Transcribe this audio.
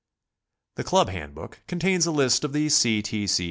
The Club Hand book contains a list of the C. T. C.